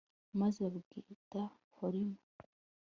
maze bawita horima